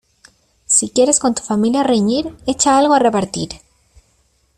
Si quieres con tu familia reñir, echa algo a repartir.